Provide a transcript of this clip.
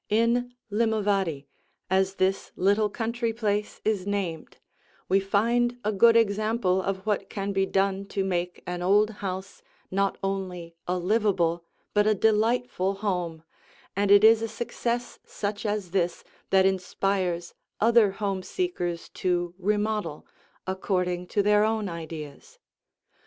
In Limovady, as this little country place is named, we find a good example of what can be done to make an old house not only a livable but a delightful home, and it is a success such as this that inspires other home seekers to remodel, according to their own ideas.